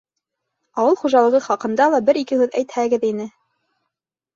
— Ауыл хужалығы хаҡында ла бер-ике һүҙ әйтһәгеҙ ине.